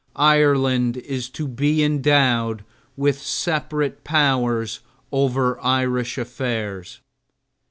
Ireland is to be endowed with separate powers over Irish affairs.